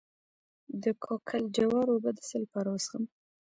د کاکل جوار اوبه د څه لپاره وڅښم؟